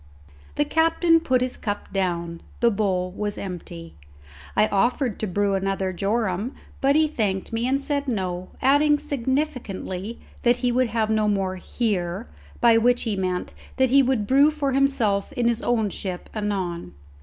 The captain put his cup down; the bowl was empty; I offered to brew another jorum, but he thanked me and said no, adding significantly that he would have no more here, by which he meant that he would brew for himself in his own ship anon.